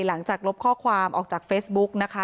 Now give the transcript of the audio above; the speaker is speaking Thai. หลังจากลบข้อความออกจากเฟซบุ๊กนะคะ